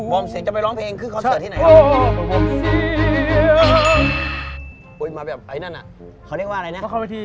อมเสียงจะไปร้องเพลงขึ้นคอนเสิร์ตที่ไหนครับ